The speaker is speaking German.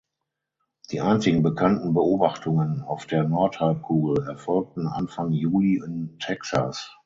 Die einzigen bekannten Beobachtungen auf der Nordhalbkugel erfolgten Anfang Juli in Texas.